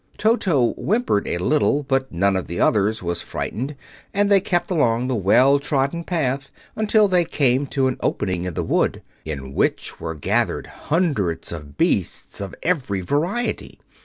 Toto whimpered a little, but none of the others was frightened, and they kept along the well trodden path until they came to an opening in the wood, in which were gathered hundreds of beasts of every variety.